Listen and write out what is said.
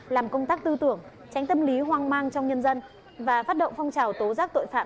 làm công tác tư tưởng tránh tâm lý hoang mang trong nhân dân và phát động phong trào tố giác tội phạm